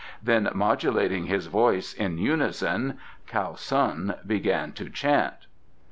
Then modulating his voice in unison Kiau Sun began to chant.